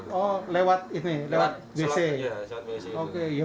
berlalu kuliah saya sendiri